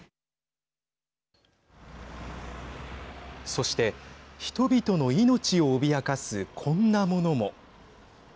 そして、人々の命を脅かすこんなものも。